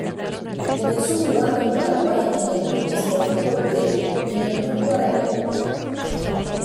Comenzó jugando en Paraguay en el Club Sportivo Luqueño y en el Club Guaraní.